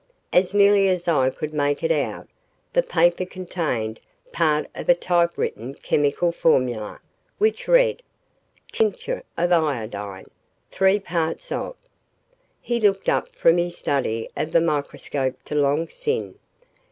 As nearly as I could make it out, the paper contained part of a typewritten chemical formula, which read: TINCTURE OF IODINE THREE PARTS OF He looked up from his study of the microscope to Long Sin.